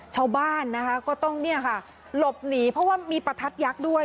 ชาวบ้านก็ต้องหลบหนีเพราะว่ามีปะทัดยักษ์ด้วย